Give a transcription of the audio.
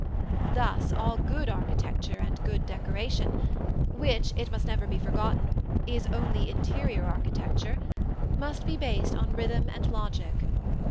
Thus all good architecture and good decoration (which, it must never be forgotten, is only interior architecture) must be based on rhythm and logic.